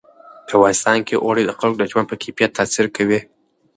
په افغانستان کې اوړي د خلکو د ژوند په کیفیت تاثیر کوي.